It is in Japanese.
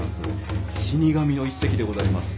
「死神」の一席でございます。